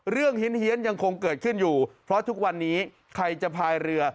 เฮียนยังคงเกิดขึ้นอยู่เพราะทุกวันนี้ใครจะพายเรือ